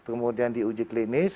kemudian diuji klinis